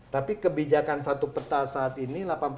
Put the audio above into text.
tapi kebijakan satu peta saat ini